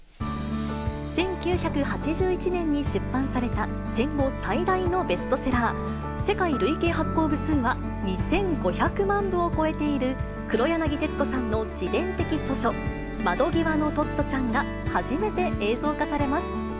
１９８１年に出版された戦後最大のベストセラー、世界累計発行部数は２５００万部を超えている、黒柳徹子さんの自伝的著書、窓ぎわのトットちゃんが初めて映像化されます。